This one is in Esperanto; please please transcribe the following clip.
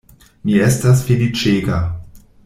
Mi estas feliĉega.